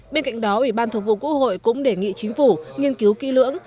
bên cạnh đó ủy ban thường vụ quốc hội cũng đề nghị chính phủ nghiên cứu kỹ lưỡng